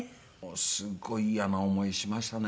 すごいイヤな思いしましたね。